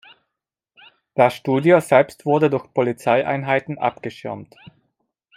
Das Studio selbst wurde durch Polizeieinheiten abgeschirmt.